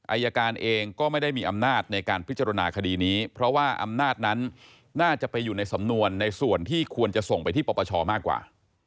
อายการเองก็ไม่ได้มีอำนาจในการพิจารณาคดีนี้เพราะว่าอำนาจนั้นน่าจะไปอยู่ในสำนวนในส่วนที่ควรจะส่งไปที่ปปชมากกว่า